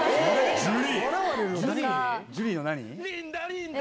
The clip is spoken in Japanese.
ジュリーの何？